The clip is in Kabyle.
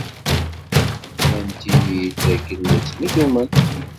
Nnant-iyi-d dakken la ttnuddument.